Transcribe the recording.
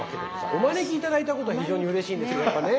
お招き頂いたことは非常にうれしいんですけどやっぱね